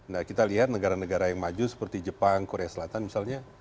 nah kita lihat negara negara yang maju seperti jepang korea selatan misalnya